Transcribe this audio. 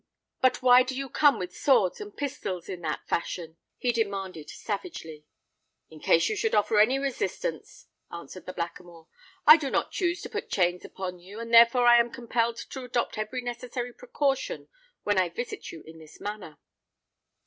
"But why do you come with swords and pistols in that fashion?" he demanded, savagely. "In case you should offer any resistance," answered the Blackamoor. "I do not choose to put chains upon you; and therefore I am compelled to adopt every necessary precaution when I visit you in this manner."